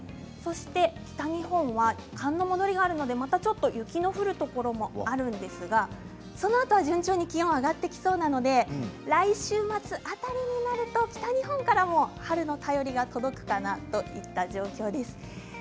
そして北日本は寒の戻りがあるのでまたちょっと雪の降るところもあるんですがそのあとは順調に気温が上がってきそうなので来週末辺りになると北日本からも春の便りが届くかなといった状況です。